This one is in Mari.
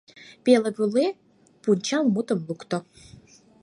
Пеле-вуле пунчал мутым лукто.